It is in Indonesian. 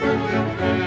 ya udah mbak